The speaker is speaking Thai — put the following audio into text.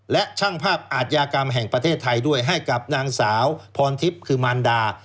และช่างภาพอาทยากรรมแห่งประเทศไทยด้วยให้กับนางสาวพรทิพย์คือมารดา